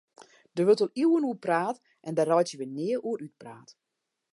Dêr wurdt al iuwen oer praat en dêr reitsje we nea oer útpraat.